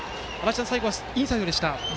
最後はインサイドでした。